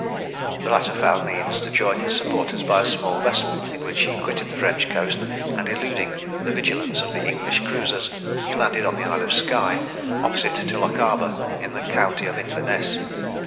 The latter found means to join his supporters by a small vessel, in which he quitted the French coast; and eluding the vigilance of the English cruisers, he landed on the Isle of Skye, opposite to Lochaber, in the county of Inverness.